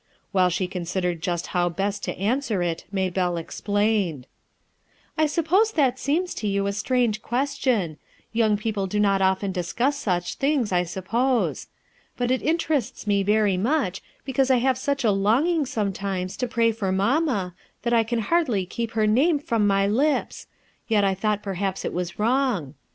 While she considered just t how best to answer it, Maybcllo explained "I suppose that seems to you a strange ques tion; young people do not often discuss such things, I suppose; but it interests me very much because I ha\*e such a longing, sometimes, to pray for mamma, that I can hardly keep her name from my lips; yet I thought perhaps it was wrong.